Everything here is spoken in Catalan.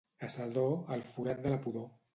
A Sedó, el forat de la pudor.